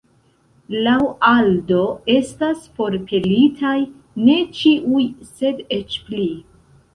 Laŭ Aldo estas forpelitaj ne ĉiuj sed eĉ pli.